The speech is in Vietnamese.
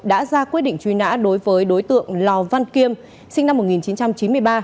đã ra quyết định truy nã đối với đối tượng lò văn kiêm sinh năm một nghìn chín trăm chín mươi ba